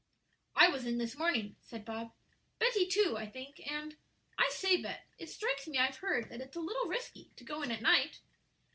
"I was in this morning," said Bob; "Betty, too, I think, and I say, Bet, it strikes me I've heard that it's a little risky to go in at night."